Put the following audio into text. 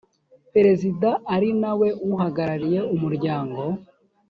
perezida ari na we uhagarariye umuryango